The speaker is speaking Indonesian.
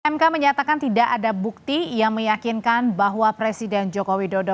mk menyatakan tidak ada bukti yang meyakinkan bahwa presiden joko widodo